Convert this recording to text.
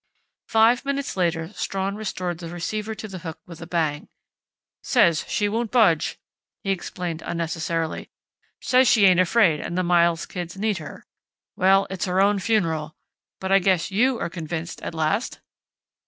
Five minutes later Strawn restored the receiver to the hook with a bang. "Says she won't budge!" he explained unnecessarily. "Says she ain't afraid and the Miles kids need her.... Well, it's her own funeral! But I guess you are convinced at last?"